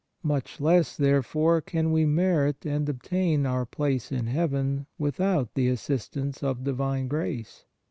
Much less, therefore, can 6 PRAYER we merit and obtain " our place in Heaven " with out the assistance of divine grace.